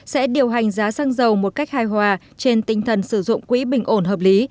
sẽ điều hành giá xăng dầu một cách hài hòa trên tinh thần sử dụng quỹ bình ổn hợp lý